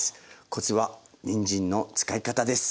コツはにんじんの使い方です。